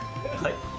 はい。